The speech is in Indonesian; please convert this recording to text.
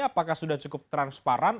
apakah sudah cukup transparan